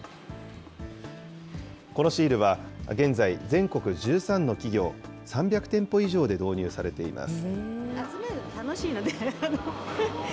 このシールは現在、全国１３の企業、３００店舗以上で導入されています。